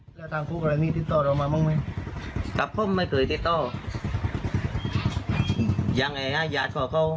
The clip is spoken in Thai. พวกผมเสียห้ายังไงผมไม่ไปหรอก